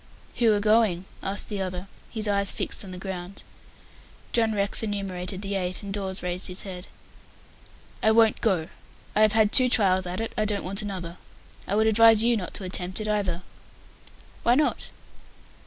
"Who are going?" asked the other, his eyes fixed on the ground. John Rex enumerated the eight, and Dawes raised his head. "I won't go. I have had two trials at it; I don't want another. I would advise you not to attempt it either." "Why not?"